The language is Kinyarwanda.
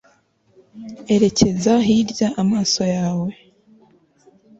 erekeza hirya amaso yawe